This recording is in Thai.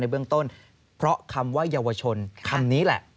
เบื้องต้นเพราะคำว่าเยาวชนคำนี้แหละ